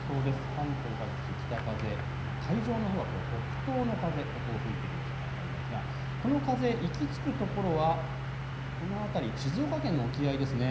関東各地、北風、海上のほうは北東の風が吹いている様子が分かりますが、この風行き着くところはこの辺り、静岡県の沖合ですね。